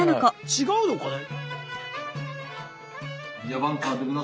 違うのかね？